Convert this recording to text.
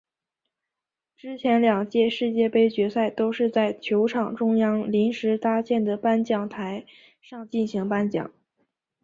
之前两届世界杯决赛都是在球场中央临时搭建的颁奖台上进行颁奖。